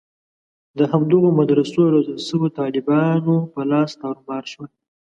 د همدغو مدرسو روزل شویو طالبانو په لاس تارومار شول.